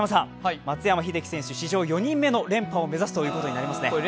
松山英樹選手、史上４人目の連覇を目指すことになりますね。